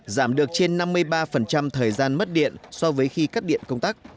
giảm được trên năm mươi ba thời gian mất điện so với khi cắt điện công tắc